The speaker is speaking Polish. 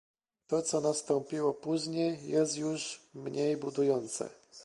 To, co nastąpiło później, jest już mniej budujące